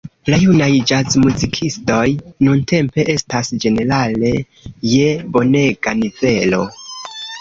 La junaj ĵazmuzikistoj nuntempe estas ĝenerale je bonega nivelo.